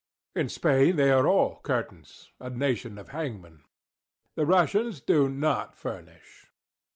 In Spain they are _all _curtains—a nation of hangmen. The Russians do not furnish.